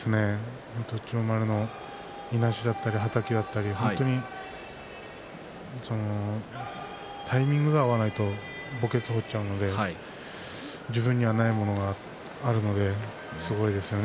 千代丸のいなしだったりはたきだったりタイミングが合わないと墓穴を掘ってしまうので自分にはないものがあるのですごいですよね。